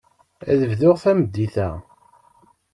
Ad bduɣ tameddit-a.